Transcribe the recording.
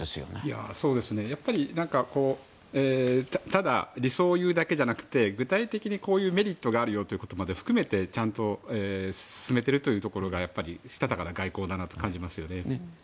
ただ理想を言うだけじゃなくて具体的なこういうメリットがあるよということも含めてちゃんと進めているところがやっぱり、したたかな外交だなと感じますよね。